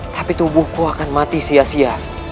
tapi tubuhku akan mati sia sia